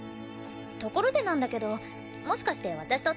ところでなんだけどもしかして私とタメ？